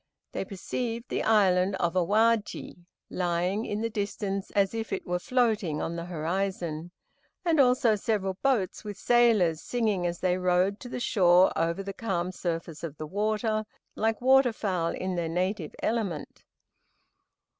They perceived the island of Awaji lying in the distance, as if it were floating on the horizon, and also several boats with sailors, singing as they rowed to the shore over the calm surface of the water, like waterfowl in their native element.